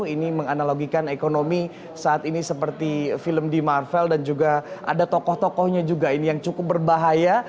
ini menganalogikan ekonomi saat ini seperti film di marvel dan juga ada tokoh tokohnya juga ini yang cukup berbahaya